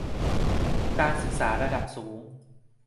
การศึกษาระดับสูง